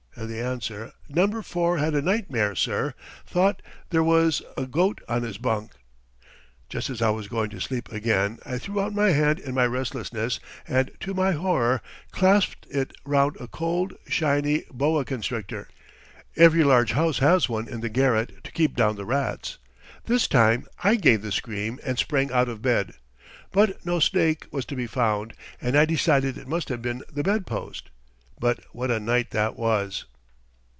and the answer, 'Number Four had a nightmare, sir thought there was a goat on his bunk.' Just as I was going to sleep again I threw out my hand in my restlessness, and to my horror, clasped it round a cold, shiny boa constrictor. Every large house has one in the garret to keep down the rats. This time I gave the scream and sprang out of bed. But no snake was to be found, and I decided it must have been the bed post. But what a night that was!"